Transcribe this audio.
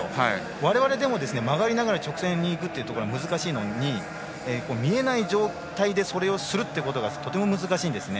我々でも曲がりながら直線にいくというのは難しいのに見えない状態でそれをするということがとても難しいんですね。